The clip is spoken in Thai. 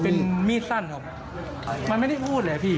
แล้วผมก็ปิดประตูเข้ามาถ้าผมปิดประตูไม่ทัน